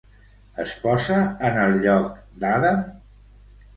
Es posa en el lloc d'Adam?